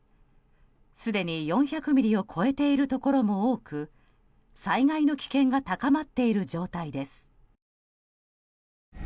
すでに４００ミリを超えているところも多く災害の危険が高まっている状態です。